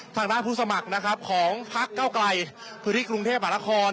ทางด้านผู้สมัครนะครับของพักเก้าไกลพื้นที่กรุงเทพหานคร